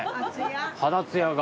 肌つやが。